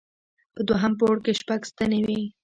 په دوهم پوړ کې شپږ ستنې وې.